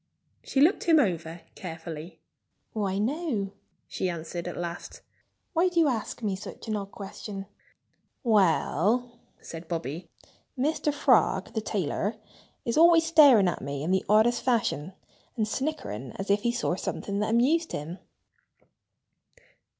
She looked him over carefully. "Why, no!" she answered at last. "Why do you ask me such an odd question?" "Well," said Bobby, "Mr. Frog, the tailor, is always staring at me in the oddest fashion and snickering as if he saw something that amused him."